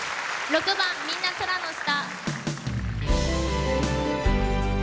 ６番「みんな空の下」。